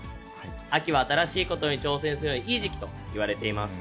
秋は新しいことに挑戦するのにいい時期といわれています。